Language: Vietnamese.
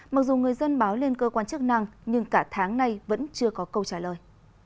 mặc dù người dân báo lên cơ quan chức năng nhưng cả tháng nay vẫn chưa có câu trả lời